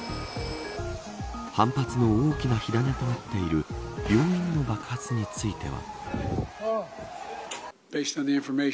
反発の大きな火種となっている病院の爆発については。